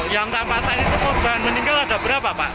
yang tanpa saya itu korban meninggal ada berapa pak